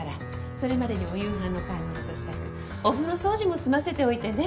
それまでにお夕飯の買い物と支度お風呂掃除も済ませておいてね。